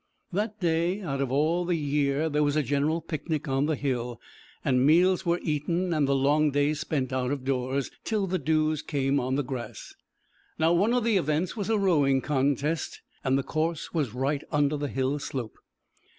That day out of all the year there was a general picnic on the hill, and meals were eaten and the long day spent out of doors, till the dews came on the grass. Now one of the events was a rowing contest, and the course was right under the hill slope.